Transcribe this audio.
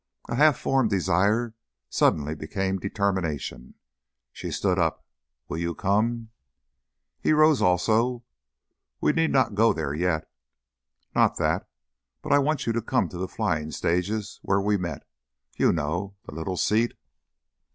A half formed desire suddenly became determination. She stood up. "Will you come?" He rose also. "We need not go there yet." "Not that. But I want you to come to the flying stages where we met. You know? The little seat."